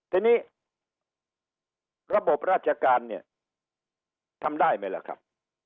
ทีนี้ระบบราชการเนี่ยทำได้ไหมล่ะครับ